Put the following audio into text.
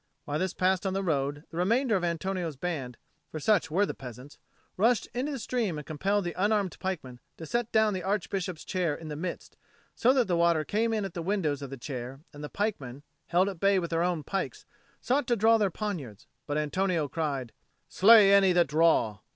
While this passed on the road, the remainder of Antonio's band for such were the peasants rushed into the stream and compelled the unarmed pikemen to set down the Archbishop's chair in the midst, so that the water came in at the windows of the chair; and the pikemen, held at bay with their own pikes, sought to draw their poniards, but Antonio cried, "Slay any that draw!"